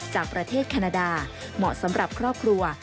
จากประเทศแคนาดาเหมาะสำหรับครอบครัว